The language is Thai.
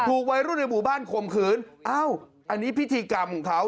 วัยรุ่นในหมู่บ้านข่มขืนอ้าวอันนี้พิธีกรรมของเขา